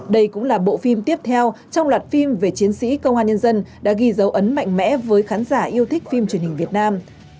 đây cũng là bộ phim tiếp theo trong loạt phim về chiến sĩ công an nhân dân đã ghi dấu ấn mạnh mẽ với khán giả yêu thích phim truyền hình việt nam